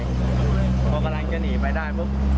พวกมันกำลังจะหนีไปได้